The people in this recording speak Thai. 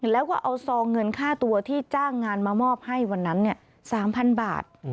แล้วก็เอาซองเงินค่าตัวที่จ้างงานมามอบให้วันนั้น๓๐๐๐บาท